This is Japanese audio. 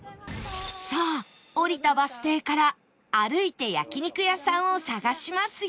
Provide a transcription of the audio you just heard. さあ降りたバス停から歩いて焼肉屋さんを探しますよ